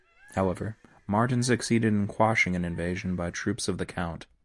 However, Martin succeeded in quashing an invasion by troops of the count.